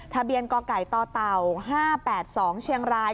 ทะเบียนกไกรตเต่า๕๘๒เชียงราย